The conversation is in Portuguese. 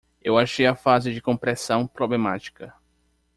Eu achei a fase de compressão problemática.